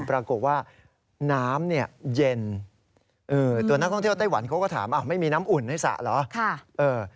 ปรากฏว่าน้ำเนี่ยเย็นตัวนักท่องเที่ยวไต้หวันเขาก็ถามไม่มีน้ำอุ่นในสระเหรอ